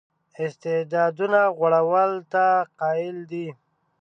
استعدادونو غوړولو ته قایل دی.